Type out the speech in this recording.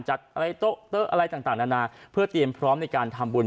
อะไรโต๊ะอะไรต่างนานาเพื่อเตรียมพร้อมในการทำบุญ